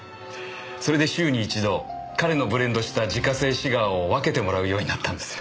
それで週に一度彼のブレンドした自家製シガーを分けてもらうようになったんですよ。